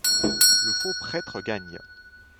Le faux prêtre gagne.